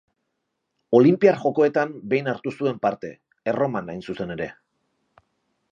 Olinpiar Jokoetan behin hartu zuen parte: Erroman hain zuzen ere.